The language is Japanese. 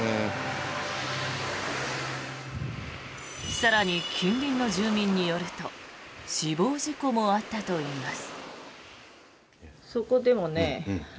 更に、近隣の住民によると死亡事故もあったといいます。